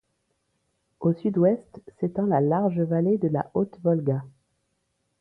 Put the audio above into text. Au sud-ouest s'étend la large vallée de la haute-Volga.